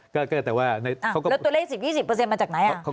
แล้วตัวเลข๑๐๒๐มาจากไหน